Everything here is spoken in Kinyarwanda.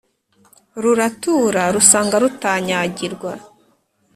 ruratura, rusanga rutanyagirwa,